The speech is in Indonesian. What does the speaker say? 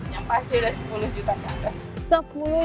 yang pasti udah sepuluh juta kak